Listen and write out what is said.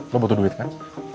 lo butuh duit kan